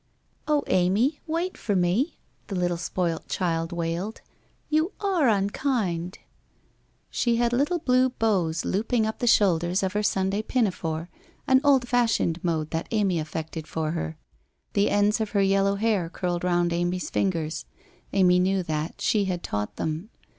'Oh, Amy, wait for me!' the little spoilt child wailed. ' You are unkind !' She had little blue bows looping up the shoulders of her Sunday pinafore, an old fashioned mode thai Amy affected for her. The ends of her yellow hair curled round Amy's finger. Amy knew that; she had taught them.